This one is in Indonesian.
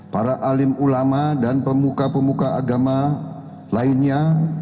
para alim ulama dan pemuka pemuka agama lainnya